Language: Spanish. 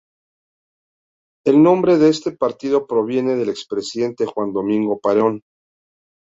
El nombre de este partido proviene del expresidente Juan Domingo Perón.